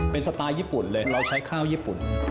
เป็นสไตล์ญี่ปุ่นเลยเราใช้ข้าวญี่ปุ่น